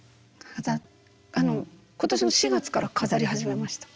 あの今年の４月から飾り始めました。